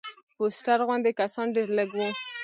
فوسټر غوندې کسان ډېر لږ وو.